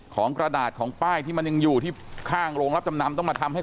กระดาษของป้ายที่มันยังอยู่ที่ข้างโรงรับจำนำต้องมาทำให้